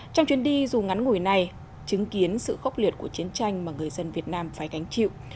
trong chuyến đi dù ngắn ngủi này chứng kiến sự khốc liệt của chiến tranh mà người dân việt nam phải gánh chịu